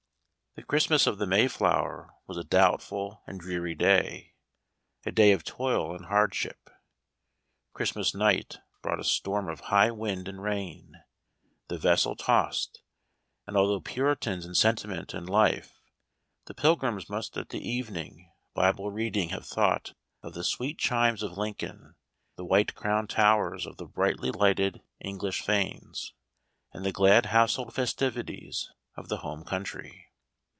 The Christmas of the Mayflower was a doubtful and dreary day — a day of toil and hardship. Christmas night brought a storm of high wind and rain, the vessel tossed, and although Puritans in sentiment and life, the Pilgrims must at the evening Bible reading, have thought of the sweet chimes of Lincoln, the white crowned towers of the brightly lighted English fanes, and the glad household festivities of the home country.